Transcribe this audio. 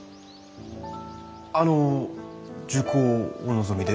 あの受講をお望みで？